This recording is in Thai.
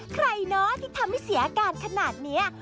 ใครเนาะที่ทำให้เสียอาการขนาดนี้